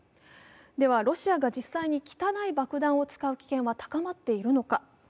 ではロシアが実際に汚い爆弾を危険は高まっているのか。